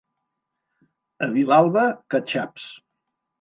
A Vilalba, catxaps.